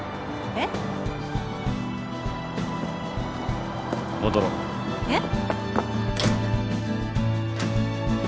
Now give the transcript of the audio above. えっ？えっ？